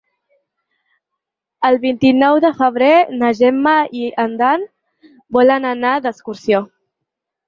El vint-i-nou de febrer na Gemma i en Dan volen anar d'excursió.